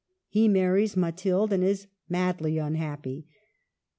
He marries Mathilde and is madly unhappy.